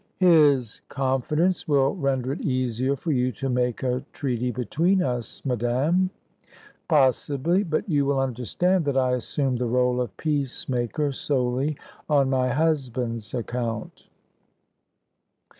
"His confidence will render it easier for you to make a treaty between us, madame." "Possibly. But you will understand that I assume the rôle of peacemaker solely on my husband's account."